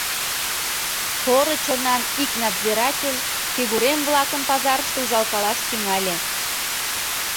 Поро чонан ик надзиратель фигурем-влакым пазарыште ужалкалаш тӱҥале.